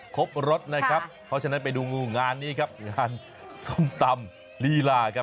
ครบรสนะครับเพราะฉะนั้นไปดูงูงานนี้ครับงานส้มตำลีลาครับ